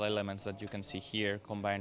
alunan dan alunan yang bisa kita lihat di sini